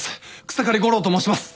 草刈悟郎と申します。